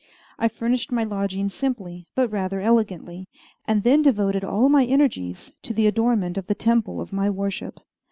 I furnished my lodgings simply, but rather elegantly, and then devoted all my energies to the adornment of the temple of my worship.